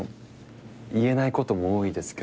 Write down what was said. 言えないことも多いですけど。